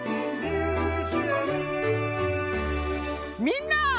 みんな！